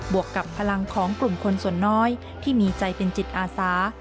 วกกับพลังของกลุ่มคนส่วนน้อยที่มีใจเป็นจิตอาสา